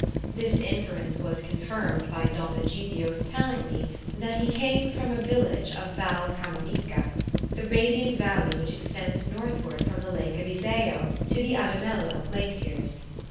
This inference was confirmed by Don Egidio's telling me that he came from a village of Val Camonica, the radiant valley which extends northward from the lake of Iseo to the Adamello glaciers.